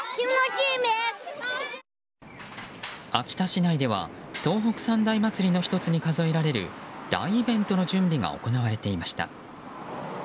秋田市内では東北三大夏祭りの１つに数えられる大イベントの準備が行われていました。